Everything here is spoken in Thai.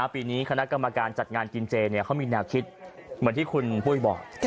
ปีนี้คณะกรรมการจัดงานกินเจเขามีแนวคิดเหมือนที่คุณปุ้ยบอก